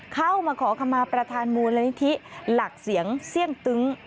เข้ามาขอคำมาประธานมูลนิธิหลักเสียงเสี่ยงตึ้ง